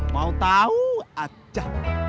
mau tahu aja